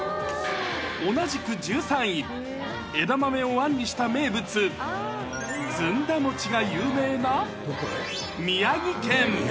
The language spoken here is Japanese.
同じく１３位、枝豆をあんにした名物、ずんだ餅が有名な宮城県。